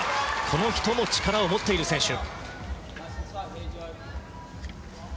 この人も力を持っている選手。